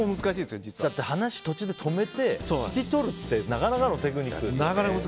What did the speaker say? だって話を止めて引き取るってなかなかのテクニックですよね。